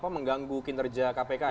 mengganggu kinerja kpk ya